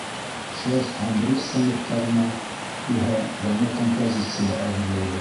ШОС һәм БРИКС саммиттарына иһә яңы композиция әҙерләйбеҙ.